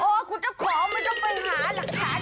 เออของมันจะไปหาหรอกคะ